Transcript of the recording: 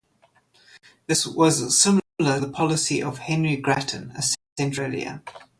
This was similar to the policy of Henry Grattan a century earlier.